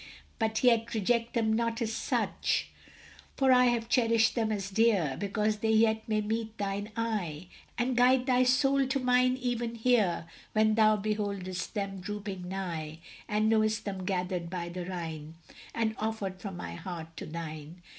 But yet reject them not as such; For I have cherished them as dear. Because they yet may meet thine eye, And guide thy soul to mine even here, When thou beholdest them drooping nigh, And knowest them gathered by the Rhine, And offered from my heart to thine!